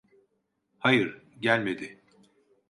Hayır, gelmedi.